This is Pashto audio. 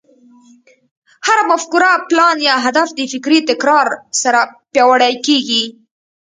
هره مفکوره، پلان، يا هدف د فکري تکرار سره پياوړی کېږي.